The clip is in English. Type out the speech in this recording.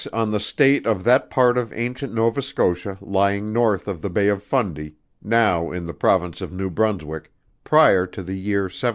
_On the state of that part of ancient Nova Scotia lying north of the Bay of Fundy, now in the Province of New Brunswick, prior to the year 1754.